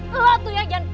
lo tuh ya gyan